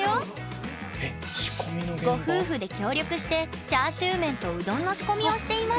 ご夫婦で協力してチャーシューメンとうどんの仕込みをしています